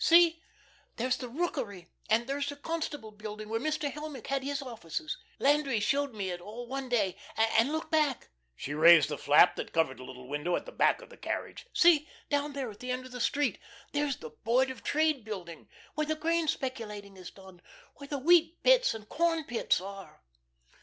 "See, there's the Rookery, and there's the Constable Building, where Mr. Helmick has his offices. Landry showed me it all one day. And, look back." She raised the flap that covered the little window at the back of the carriage. "See, down there, at the end of the street. There's the Board of Trade Building, where the grain speculating is done, where the wheat pits and corn pits are."